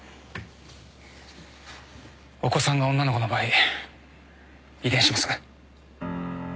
お子さんが女の子の場合遺伝します。